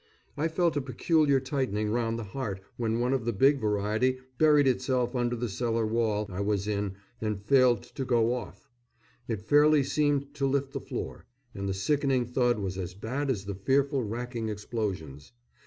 I felt a peculiar tightening round the heart when one of the big variety buried itself under the cellar wall I was in and failed to go off. It fairly seemed to lift the floor, and the sickening thud was as bad as the fearful racking explosions.